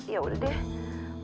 ya udah deh